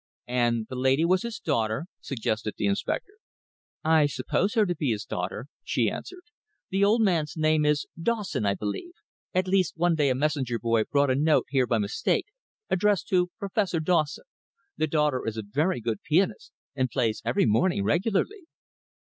"And the lady was his daughter?" suggested the inspector. "I suppose her to be his daughter," she answered. "The old man's name is Dawson, I believe at least one day a messenger boy brought a note here by mistake, addressed to Professor Dawson. The daughter is a very good pianist, and plays every morning regularly."